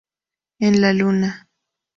En la luna